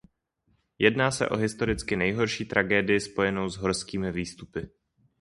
Jedná se o historicky nejhorší tragédii spojenou s horskými výstupy.